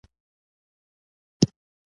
دوی د نورو ملتونو نه خبر وو